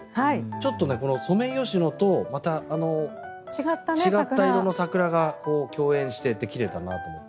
ちょっとソメイヨシノとまた違った色の桜が共演していて奇麗だなと思って。